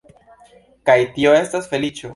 Kaj tio estas feliĉo.